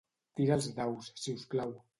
Tira els daus, si us plau.